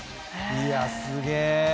いやすげえ！